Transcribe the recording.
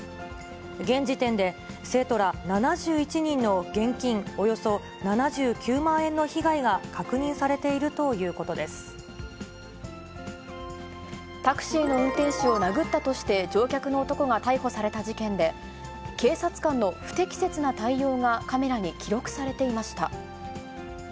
現時点で、生徒ら７１人の現金およそ７９万円の被害が確認されているというタクシーの運転手を殴ったとして、乗客の男が逮捕された事件で、警察官の不適切な対応がカメラに記録されていました。